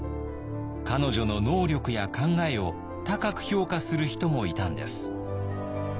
彼女の能力や考えを高く評価する人もいたんです。